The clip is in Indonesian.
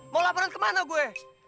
mau laporan kemana gue